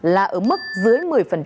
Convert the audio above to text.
là ở mức dưới một mươi